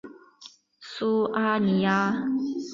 苏阿尼阿。